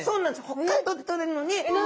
北海道でとれるのに。